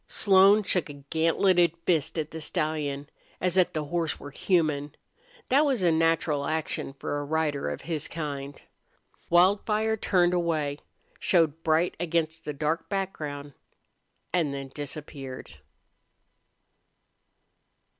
Slone shook a gantleted fist at the stallion, as if the horse were human. That was a natural action for a rider of his kind. Wildfire turned away, showed bright against the dark background, and then disappeared.